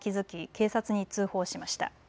警察に通報しました。